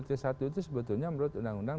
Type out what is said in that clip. c satu itu sebetulnya menurut undang undang